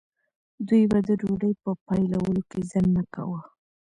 دوی به د ډوډۍ په پیلولو کې ځنډ نه کاوه.